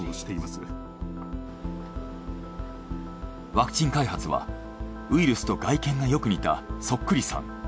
ワクチン開発はウイルスと外見がよく似たそっくりさん